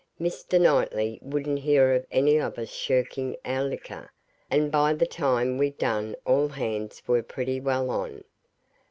Mr. Knightley wouldn't hear of any of us shirking our liquor, and by the time we'd done all hands were pretty well on.